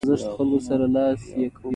ایا زه باید رخصتي واخلم؟